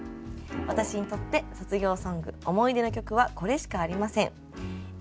私にとって卒業ソング思い出の曲はこれしかありません。